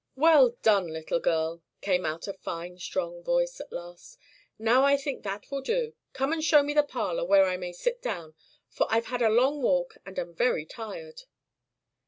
"Well done, little girl," came out a fine strong voice at last. "Now I think that will do. Come and show me the parlor where I may sit down, for I've had a long walk, and am very tired."